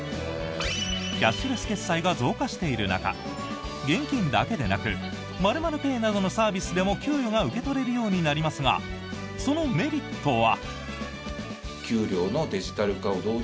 キャッシュレス決済が増加している中現金だけでなく○○ペイなどのサービスでも給与が受け取れるようになりますがそのメリットは？